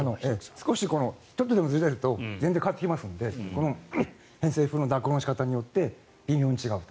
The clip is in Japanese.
少しちょっとでもずれると全然変わってきますので偏西風の蛇行の仕方によって微妙に違うと。